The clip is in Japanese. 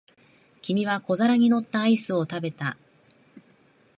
君は小皿に乗ったアイスを食べた。